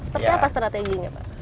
seperti apa strateginya pak